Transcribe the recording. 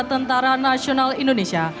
tentara nasional indonesia